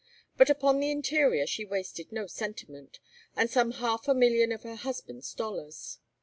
But upon the interior she wasted no sentiment, and some half a million of her husband's dollars.